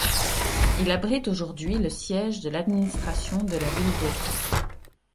Il abrite aujourd'hui le siège de l'administration de la ville d'Oran.